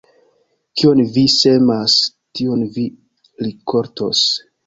Kion vi semas, tion vi rikoltos.